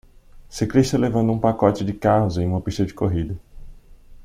ciclista levando um pacote de carros em uma pista de corrida.